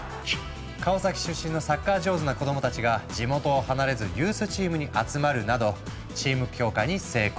川崎出身のサッカー上手な子どもたちが地元を離れずユースチームに集まるなどチーム強化に成功。